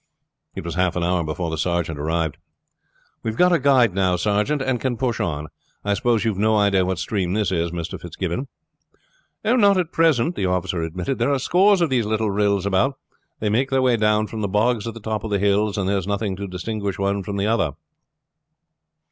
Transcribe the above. It was half an hour before the sergeant arrived. "We have got a guide now, sergeant, and can push on. I suppose you have no idea what stream this is, Mr. Fitzgibbon?" "Not at present," the officer admitted. "There are scores of these little rills about. They make their way down from the bogs at the top of the hills, and there is nothing to distinguish one from the other."